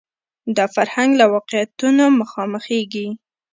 دا فرهنګ له واقعیتونو مخامخېږي